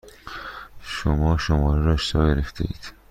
شما شماره را اشتباه گرفتهاید.